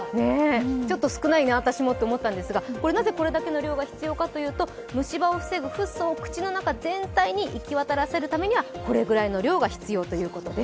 ちょっと少ないな、私もと思ったんですが、なぜこれだけの量が必要かというと虫歯を防ぐフッ素を口の中全体に行き渡らせるにはこれくらいの量が必要ということです。